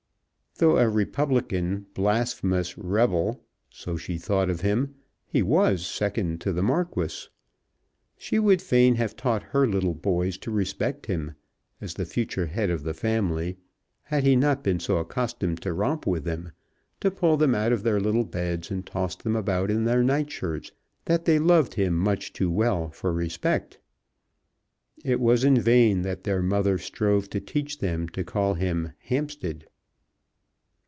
Though a Republican blasphemous rebel, so she thought of him, he was second to the Marquis. She would fain have taught her little boys to respect him, as the future head of the family, had he not been so accustomed to romp with them, to pull them out of their little beds, and toss them about in their night shirts, that they loved him much too well for respect. It was in vain that their mother strove to teach them to call him Hampstead.